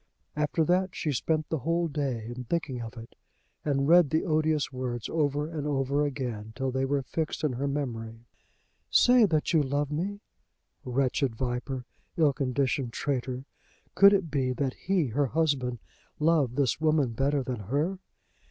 After that she spent the whole day in thinking of it, and read the odious words over and over again till they were fixed in her memory. "Say that you love me!" Wretched viper; ill conditioned traitor! Could it be that he, her husband, loved this woman better than her?